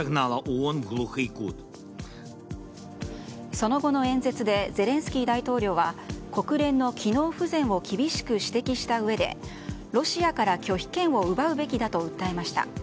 その後の演説でゼレンスキー大統領は国連の機能不全を厳しく指摘したうえでロシアから拒否権を奪うべきだと訴えました。